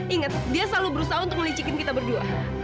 ingat dia selalu berusaha untuk melicikin kita berdua